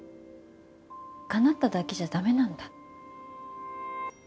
かなっただけじゃだめなんだ。